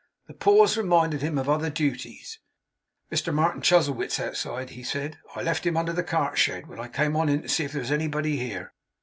The pause reminded him of other duties. 'Mr Martin Chuzzlewit's outside,' he said. 'I left him under the cartshed, while I came on to see if there was anybody here.